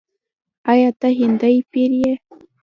“آیا ته هندی پیر یې؟”